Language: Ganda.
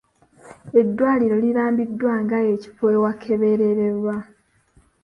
Eddwaliro lirambiddwa nga ekifo awakebererwa.